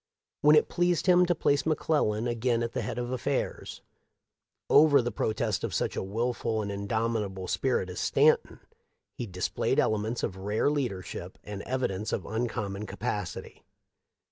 When it pleased him to place McClellan again at the head of affairs, over the protest of such a wilful and indomitable spirit as Stanton, he dis played elements of rare leadership and evidence of uncommon capacity.